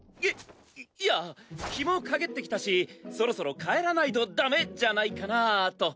いいや日も陰ってきたしそろそろ帰らないとダメじゃないかなぁと。